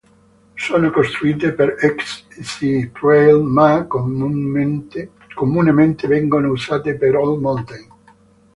Sono costruite per xc trail ma comunemente vengono usate per all mountain.